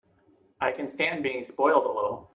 I can stand being spoiled a little.